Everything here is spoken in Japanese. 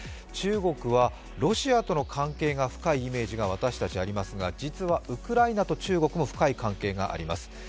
中国はロシアとの関係が深いイメージが私たち、ありますが実はウクライナと中国も深い関係があります。